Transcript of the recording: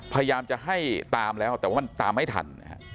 พยายามจะให้ตามแล้วแต่ว่ามันตามไม่ทัน